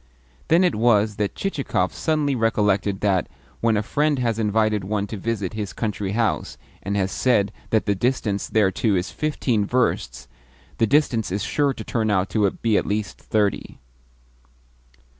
Then it was that Chichikov suddenly recollected that, when a friend has invited one to visit his country house, and has said that the distance thereto is fifteen versts, the distance is sure to turn out to be at least thirty.